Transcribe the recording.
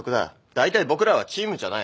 だいたい僕らはチームじゃない。